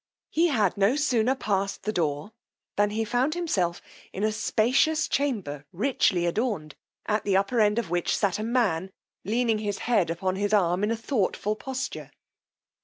He had no sooner passed the door, than he found himself in a spacious chamber richly adorned, at the upper end of which sat a man, leaning his head upon his arm in a thoughtful posture.